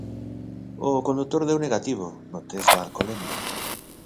O condutor deu negativo no test de alcolemia.